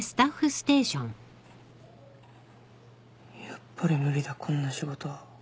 やっぱり無理だこんな仕事。